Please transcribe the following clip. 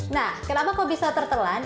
nah kenapa kok bisa tertelan